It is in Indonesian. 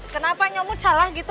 kenapa nyamut salah gitu